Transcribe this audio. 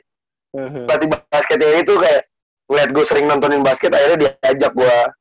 selatih basketnya itu kaya liat gue sering nontonin basket akhirnya diajak gue